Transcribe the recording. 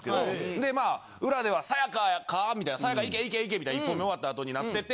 でまあ裏では「さや香か？」みたいな「さや香いけいけいけ」みたいな１本目終わった後になってて。